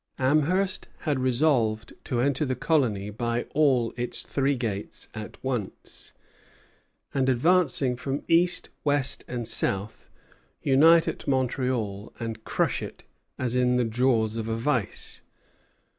Amherst had resolved to enter the colony by all its three gates at once, and, advancing from east, west, and south, unite at Montreal and crush it as in the jaws of a vice.